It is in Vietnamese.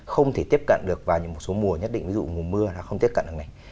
không thể tiếp cận được vào những một số mùa nhất định ví dụ mùa mưa nó không tiếp cận được này